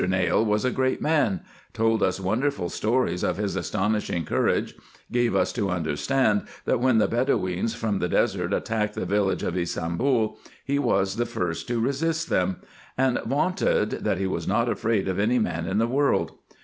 Nail was a great man ; told us wonderful stories of his astonishing courage ; gave us to understand, that, when the Bedoweens from the Desert attacked the village of Ybsambul he was the first to resist them ; and vaunted, that he was not afraid of any man in the world.